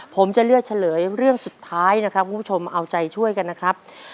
ผมจะเลือกเฉลยเรื่องสุดท้ายนะครับคุณผู้ชมเอาใจช่วยกันนะครับ